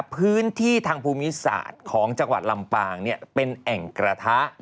พื้นที่ทางภูมิศาสตร์ของจังหวัดลำปางเป็นแอ่งกระทะ